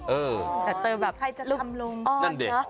เออใครจะทำลงนั่นเด็กแต่เจอลูกอ้อนเนอะ